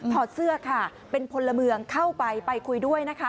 เสื้อค่ะเป็นพลเมืองเข้าไปไปคุยด้วยนะคะ